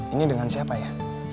ini dengan siapa ya